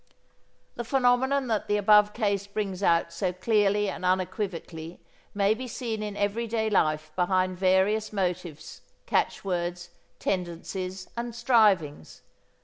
The phenomenon that the above case brings out so clearly and unequivocally may be seen in everyday life behind various motives, catchwords, tendencies, and strivings.